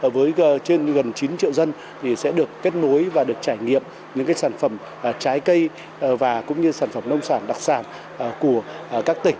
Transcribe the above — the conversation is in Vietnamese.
với gần chín triệu dân sẽ được kết nối và được trải nghiệm những sản phẩm trái cây và cũng như sản phẩm nông sản đặc sản của các tỉnh